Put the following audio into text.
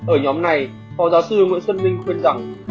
ở nhóm này phó giáo sư nguyễn xuân minh khuyên rằng